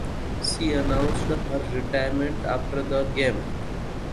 She announced her retirement after the game.